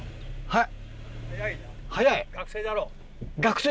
はい。